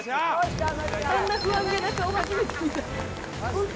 あんな不安げな顔、初めて見た。